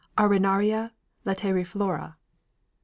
Arenaria lateriflora, L.